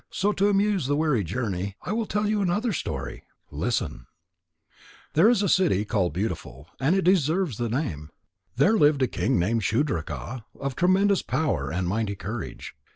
So, to amuse the weary journey, I will tell you another story. Listen." There is a city called Beautiful, and it deserves the name. There lived a king named Shudraka, of tremendous power and mighty courage.